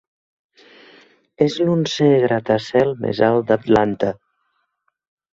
És l'onzè gratacel més alt d'Atlanta.